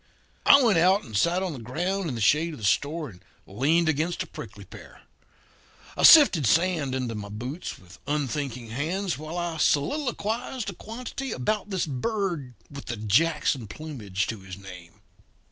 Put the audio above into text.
"I went out and sat on the ground in the shade of the store and leaned against a prickly pear. I sifted sand into my boots with unthinking hands while I soliloquised a quantity about this bird with the Jackson plumage to his name.